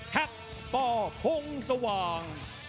แฮกป่อพงศ์สว่าง